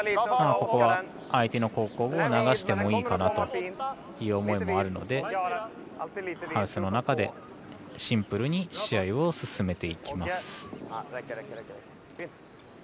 ここは、相手を流してもいいかなということなのでハウスの中でシンプルに試合を進めていきます。